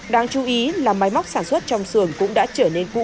đáng chú ý là máy móc sản xuất trong sườn cũng đã trở nên cũ kỹ cấu bẩn